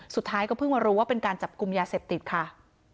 สุดท้ายก็เพิ่งมารู้ว่าเป็นการจับกลุ่มยาเสพติดค่ะ